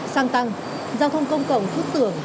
sang tăng giao thông công cộng thức tưởng